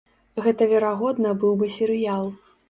Гэта верагодна быў бы серыял.